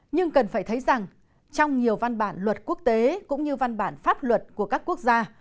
nhưng cần phải thấy rằng trong nhiều văn bản luật quốc tế cũng như văn bản pháp luật của các quốc gia